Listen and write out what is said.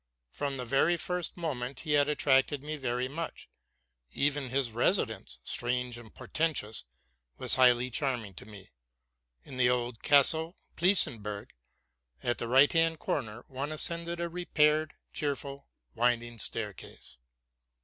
From the very first moment he had attracted me very much: evel his residence, strange and portentous, was highly charming to me. In the old castle Pleissenburg, at the right hand corner, one as cended a repaired, cheerful, winding staircase.